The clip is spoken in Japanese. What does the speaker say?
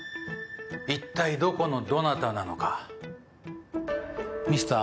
いったいどこのどなたなのかミスター